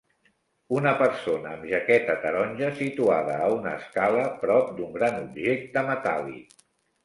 Una persona amb jaqueta taronja situada a una escala prop d'un gran objecte metàl·lic